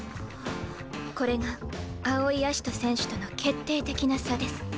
これが青井葦人選手との決定的な差です。